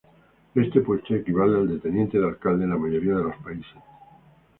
Este puesto equivale al de teniente de alcalde en la mayoría de países.